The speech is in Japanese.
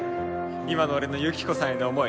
今の俺のユキコさんへの思い